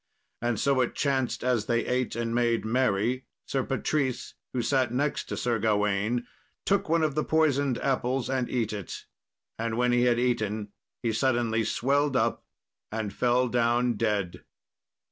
And so it chanced as they ate and made merry, Sir Patrice, who sat next to Sir Gawain, took one of the poisoned apples and eat it, and when he had eaten he suddenly swelled up and fell down dead.